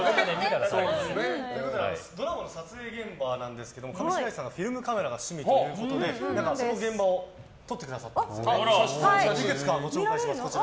ドラマの撮影現場なんですが上白石さんがフィルムカメラが趣味ということでその現場を撮ってくださったんですね。